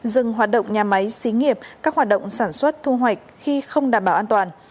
dừng hoạt động nhà máy xí nghiệp các hoạt động sản xuất thu hoạch khi không đảm bảo an toàn